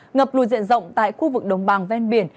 ngập lùi diện rộng tại khu vực đông bàng ven biển